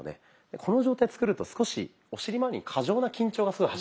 この状態つくると少しお尻まわりに過剰な緊張が走ってるんですよね。